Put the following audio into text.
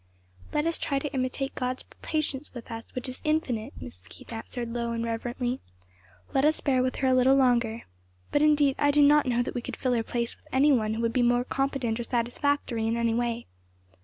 "Let us try to imitate God's patience with us, which is infinite;" Mrs. Keith answered low and reverently; "let us bear with her a little longer. But indeed, I do not know that we could fill her place with any one who would be more competent or satisfactory in any way."